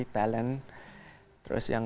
talent terus yang